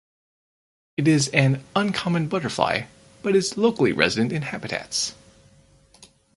It is an uncommon butterfly but is locally resident in habitats.